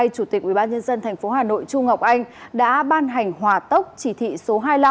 chủ tịch ubnd tp hà nội chu ngọc anh đã ban hành hòa tốc chỉ thị số hai mươi năm